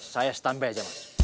saya standby aja mas